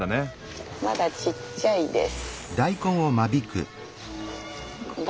まだちっちゃいです。